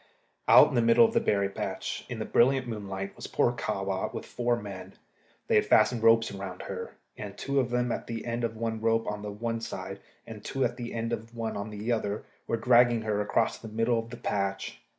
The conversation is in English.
Out in the middle of the berry patch, in the brilliant moonlight, was poor Kahwa with four men. They had fastened ropes around her, and two of them at the end of one rope on one side, and two at the end of one on the other, were dragging her across the middle of the patch.